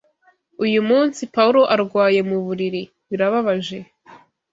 "Uyu munsi Pawulo arwaye mu buriri." "Birababaje."